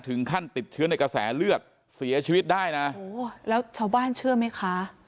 ถึงขั้นติดเชื้อในกระแสเลือดเสียชีวิตได้นะโอ้โหแล้วชาวบ้านเชื่อไหมคะ